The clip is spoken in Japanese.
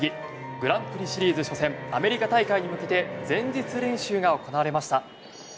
グランプリシリーズ初戦アメリカ大会に向けて前日練習が行われました。